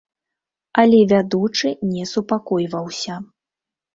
Але вядучы не супакойваўся.